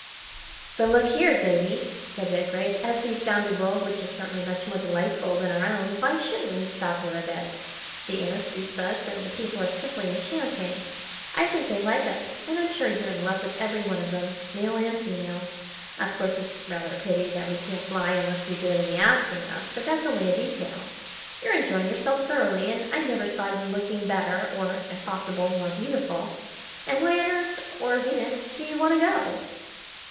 "But look here, Zaidie," said Redgrave, "as we've found a world which is certainly much more delightful than our own, why shouldn't we stop here a bit? The air suits us and the people are simply enchanting. I think they like us, and I'm sure you're in love with every one of them, male and female. Of course, it's rather a pity that we can't fly unless we do it in the Astronef. But that's only a detail. You're enjoying yourself thoroughly, and I never saw you looking better or, if possible, more beautiful; and why on Earth or Venus do you want to go?"